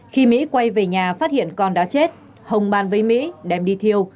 khi mỹ quay về nhà phát hiện con đã chết hồng bàn với mỹ đem đi thiêu